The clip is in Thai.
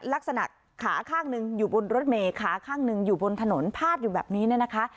ลักษณะขาข้างหนึ่งอยู่บนรถเมย์ขาข้างหนึ่งอยู่บนถนนพาดอยู่แบบนี้เนี่ยนะคะ